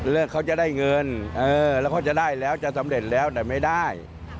เขาจะได้เงินเออแล้วเขาจะได้แล้วจะสำเร็จแล้วแต่ไม่ได้